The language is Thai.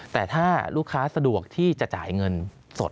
แต่ถ้าลูกค้าสะดวกที่จะจ่ายเงินสด